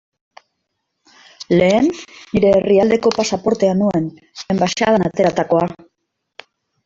Lehen nire herrialdeko pasaportea nuen, enbaxadan ateratakoa.